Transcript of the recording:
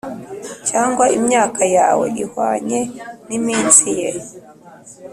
cyangwa imyaka yawe ihwanye n’iminsi ye,